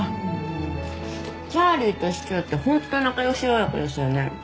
チャーリーと師長って本当に仲良し親子ですよね。